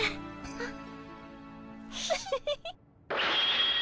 あっ。